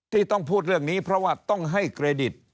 ที่ต้องพูดเรื่องนี้เพราะว่าต้องให้เครดิต